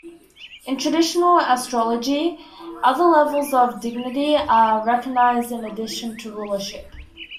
In traditional astrology, other levels of Dignity are recognised in addition to Rulership.